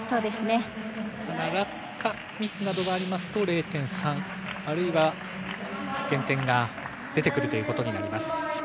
ただ落下ミスなどがあると０．３、あるいは減点が出てくることになります。